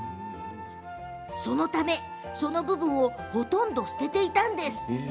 そのため、その部分をほとんど捨てていたんです。